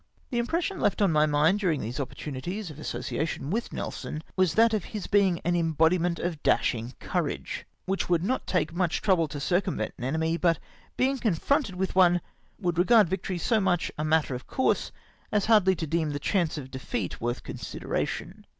The impression left on my mind during these oppor tunities of association with Nelson was that of his being an embodiment of dashmg courage, which would not take much trouble to circumvent an enemy, but being confronted with one would regard ^dctory so much a matter of coiu"se as hardly to deem the chance of defeat worth consideration.